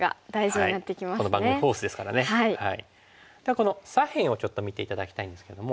この左辺をちょっと見て頂きたいんですけども。